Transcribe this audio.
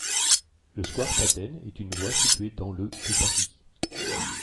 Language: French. Le square Patenne est une voie située dans le de Paris.